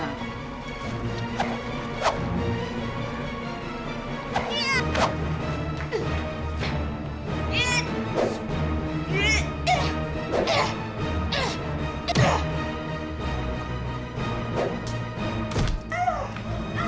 aku akan menyebebkanmu setelah ini